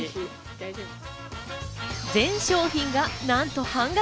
全商品が何と半額！